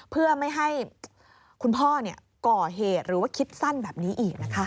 เพื่อไม่ให้คุณพ่อก่อเหตุหรือว่าคิดสั้นแบบนี้อีกนะคะ